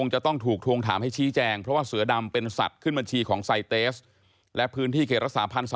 หน่วยงานตรวจสอบก็ตรวจสอบมา